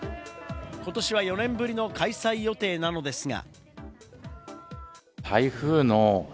今年は４年ぶりの開催予定なのですが。